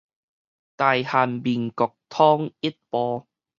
大韓民國統一部